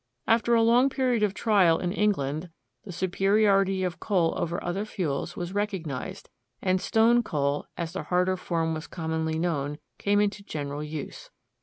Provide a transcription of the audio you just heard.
After a long period of trial in England the superiority of coal over other fuels was recognized, and stone coal, as the harder form was commonly known, came into general use.